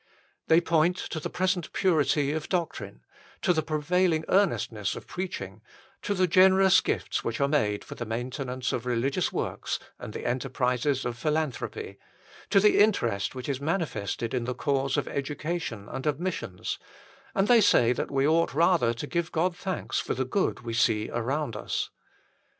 They point to the present purity of doctrine, to the prevailing earnestness of preaching, to the generous gifts which are made for the main tenance of religious works and the enterprises of philanthropy, to the interest which is manifested in the cause of education and of missions, and they say that we ought rather to give God thanks for the good we see around us.